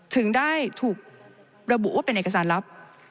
ถึงได้ถูกระบุว่าเป็นเอกสารลับ